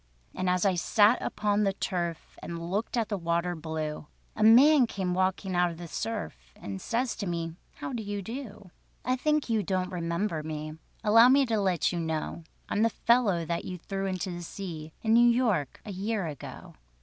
And as I sat upon the turf, And looked at the water blue, A man came walking out of the surf, And says to me: "How do you do? "I think you don't remember me, Allow me to let you know I'm the fellow that you threw into the sea— In New York—a year ago.